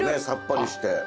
さっぱりして。